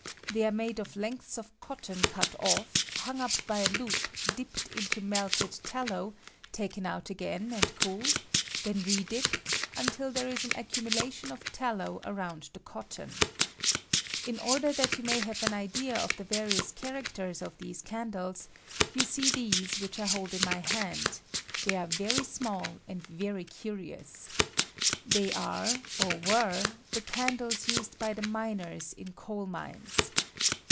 They are made of lengths of cotton cut off, hung up by a loop, dipped into melted tallow, taken out again and cooled, then redipped, until there is an accumulation of tallow roimd the cotton. In order that yoa may have an idea of the various characters of J 12 JtlNEHS' CAJiTDLEa. these candles, yon see these wliich I hold my hand — they are very small and very ons. They are, or were, the candlea used by the miners in coal mines.